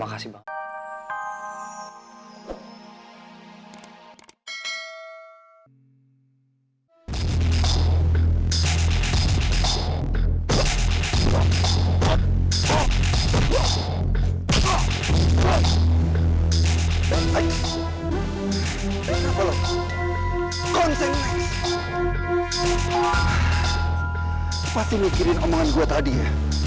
ah pasti mikirin omongan gue tadi ya